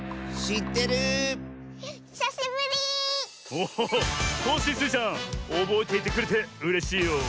おおっコッシースイちゃんおぼえていてくれてうれしいよ。